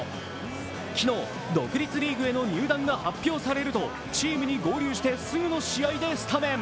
昨日独立リーグへの入団が発表されるとチームに合流してすぐの試合でスタメン。